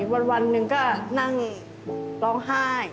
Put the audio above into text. วันหนึ่งก็นั่งร้องไห้